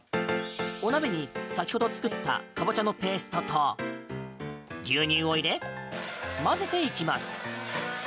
お鍋に、先ほど作ったカボチャのペーストと牛乳を入れ、混ぜていきます。